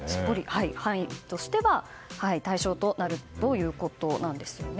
範囲としては対象となるということなんです。